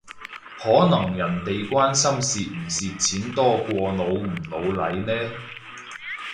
可能人哋關心蝕唔蝕錢多過老唔老嚟呢？